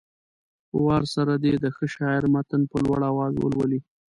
په وار سره دې د ښه شاعر متن په لوړ اواز ولولي.